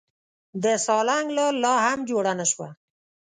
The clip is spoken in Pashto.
د سالنګ لار لا هم جوړه نه شوه.